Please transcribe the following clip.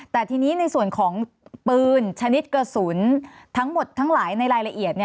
แต่ทีนี้ในส่วนของปืนชนิดกระสุนทั้งหมดทั้งหลายในรายละเอียด